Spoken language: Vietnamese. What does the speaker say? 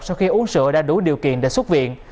sau khi uống sữa đã đủ điều kiện để xuất viện